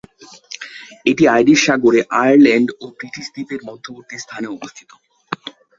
এটি আইরিশ সাগরে আয়ারল্যান্ড ও ব্রিটিশ দ্বীপের মধ্যবর্তী স্থানে অবস্থিত।